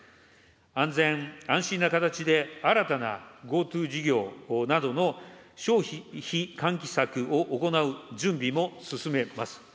安全・安心な形で新たなＧｏＴｏ事業などの消費喚起策を行う準備も進めます。